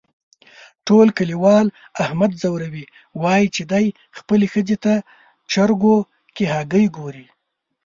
ټول کلیوال احمد ځوروي، وایي چې دی خپلې ښځې ته چرگو کې هگۍ گوري.